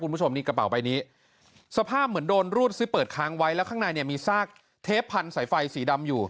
คุณผู้ชมนี่กระเป๋าใบนี้สภาพเหมือนโดนรูดซื้อเปิดค้างไว้แล้วข้างในเนี่ยมีซากเทปพันธุ์สายไฟสีดำอยู่